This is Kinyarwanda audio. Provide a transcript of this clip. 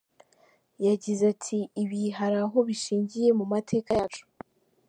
Yagize ati “ Ibi hari aho bishingiye mu mateka yacu.